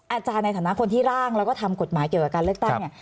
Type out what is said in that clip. อาจารย์ในฐานะคนที่ร่างแล้วก็ทำกฎหมายเกี่ยวกับการเลือกตั้งเนี่ย